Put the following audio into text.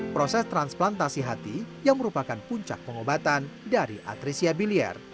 proses transplantasi hati yang merupakan puncak pengobatan dari atresia biliar